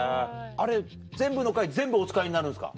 あれ全部の回全部お使いになるんですか？